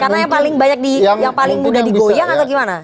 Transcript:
karena yang paling mudah digoyang atau gimana